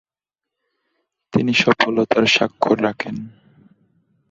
তিনি সফলতার স্বাক্ষর রাখেন।